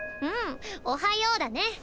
うん「おはよう」だね。